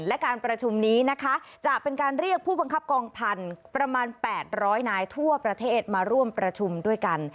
และการประชุมนี้นะคะจะเป็นการเรียกผู้บังคับกองพันธุ์ประมาณ๘๐๐นายทั่วประเทศมาร่วมประชุมด้วยกัน